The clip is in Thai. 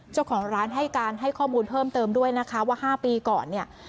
เจ้าของร้านให้การให้ข้อมูลเพิ่มเติมด้วยนะคะว่า๕ปีก่อนเนี่ย